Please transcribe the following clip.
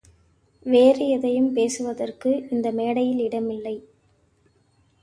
வேறு எதையும் பேசுவதற்கு இந்த மேடையில் இடமில்லை.